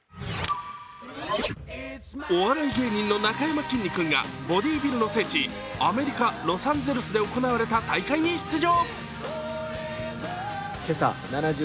お笑い芸人のなかやまきんに君がボディビルの聖地、アメリカ・ロサンゼルスで行われた大会に出場。